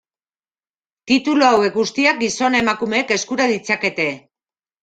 Titulu hauek guztiak gizon-emakumeek eskura ditzakete.